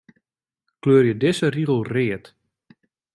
Kleurje dizze rigel read.